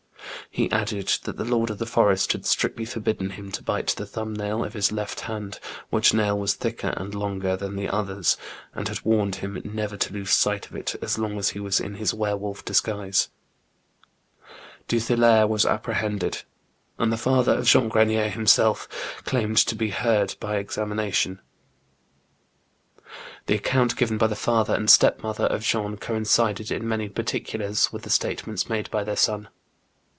He added that the Lord of the Forest had strictly forbidden him to bite the thumb nail of his left hand, which nail was thicker and longer than the others, and had warned him never to lose sight of it, as long as he was in his were wolf disguise. Duthillaire was apprehended, and the father of Jean Grenier himself claimed to be heard by examination. The account given by the fiEither and stepmother of JEAN 6BENIEB. 95 Jean coincided in many particulars with the statements made by their son.